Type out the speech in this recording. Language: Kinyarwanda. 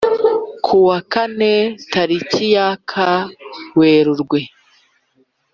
ku wa kane tariki ya kae werurwe